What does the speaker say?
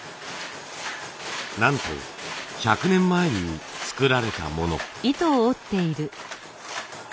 なんと１００年前に作られたもの。